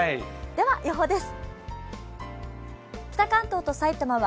では予報です。